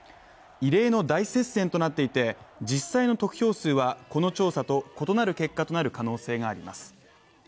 異例の大接戦となっていて、実際の得票数はこの調査と異なる結果となる可能性があります。